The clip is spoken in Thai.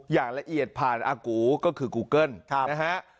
อย่างละเอียดผ่านอากูก็คือกูเกิ้ลนะฮะ